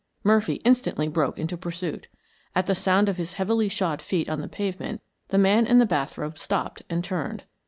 Murphy instantly broke into pursuit. At the sound of his heavily shod feet on the pavement, the man in the bath robe stopped and turned.